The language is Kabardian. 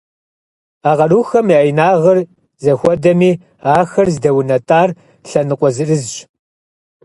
А къарухэм я инагъыр зэхуэдэми, ахэр здэунэтӏар лъэныкъуэ зырызщ.